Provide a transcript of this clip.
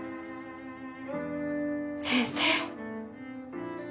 先生。